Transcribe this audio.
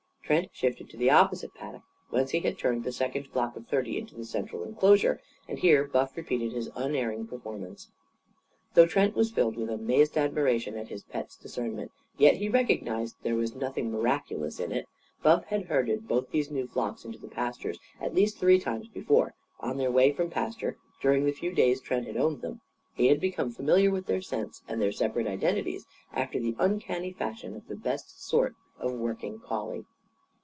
Trent shifted to the opposite paddock, whence he had turned the second flock of thirty into the central enclosure. And here Buff repeated his unerring performance. Though Trent was filled with amazed admiration at his pet's discernment, yet he recognised there was nothing miraculous in it. Buff had herded both these new flocks into the paddocks at least three times before, on their way from pasture, during the few days Trent had owned them. He had become familiar with their scents and their separate identities, after the uncanny fashion of the best sort of working collie.